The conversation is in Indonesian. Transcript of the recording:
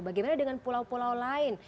bagaimana dengan pulau pulau lain